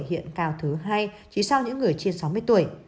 hiện cao thứ hai chỉ sau những người trên sáu mươi tuổi